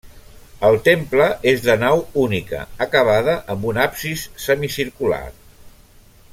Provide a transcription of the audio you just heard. El temple és de nau única, acabada amb un absis semicircular.